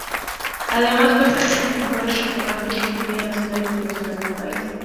Además cuenta con los mejores restaurantes de comida nacional e internacional del país.